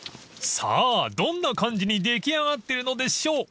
［さぁどんな感じに出来上がってるのでしょう？］